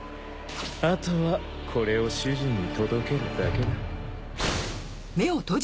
あとはこれを主人に届けるだけだ。